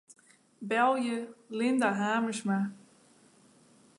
Belje Linda Hamersma.